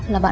là bạn cũ